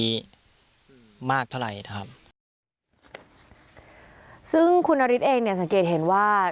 เราชาวน้องจะผิดแฟวะง่า